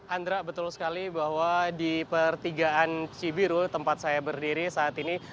andra betul sekali bahwa di pertigaan cibiru tempat saya berdiri saat ini